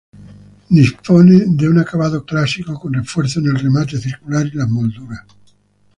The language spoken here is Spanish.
Dispone de un acabado clásico con refuerzos en el remate circular y las molduras.